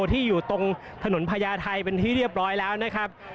ที่อยู่ตรงถนนพญาไทยเป็นที่เรียบร้อยแล้วนะครับ